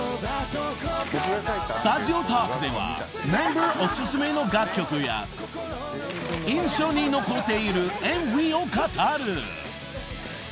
［スタジオトークではメンバーお薦めの楽曲や印象に残っているＭＶを語る］